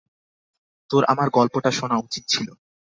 তোর আমার গল্পটা শোনা উচিত ছিল।